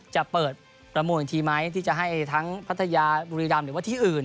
จะเปิดประมูลอีกทีไหมที่จะให้ทั้งพัทยาบุรีรำหรือว่าที่อื่น